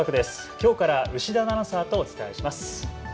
きょうから牛田アナウンサーとお伝えします。